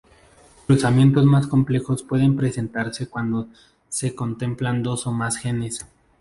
Cruzamientos más complejos pueden presentarse cuando se contemplan dos o más genes.